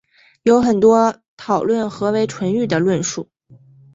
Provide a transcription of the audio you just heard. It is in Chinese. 有很多讨论何为纯育的论述。